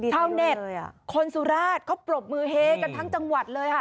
ชาวเน็ตคนสุราชเขาปรบมือเฮกันทั้งจังหวัดเลยค่ะ